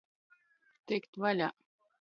Tikt vaļā.